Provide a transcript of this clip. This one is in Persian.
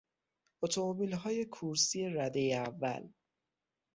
اتومبیلهای کورسی ردهی اول